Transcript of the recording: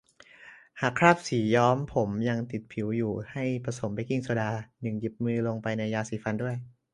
หากคราบสีย้อมผมยังติดผิวอยู่ ให้ผสมเบกกิ้งโซดา หนึ่ง หยิบมือ ลงไปในยาสีฟันด้วย